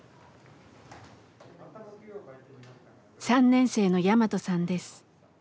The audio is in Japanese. ３年生のヤマトさんです。